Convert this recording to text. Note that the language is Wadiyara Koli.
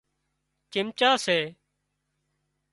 چمچا سي